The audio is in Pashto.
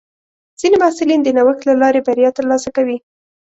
ځینې محصلین د نوښت له لارې بریا ترلاسه کوي.